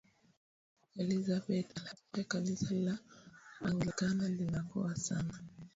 elizabeth alihakikisha kanisa la nglikana linakua sana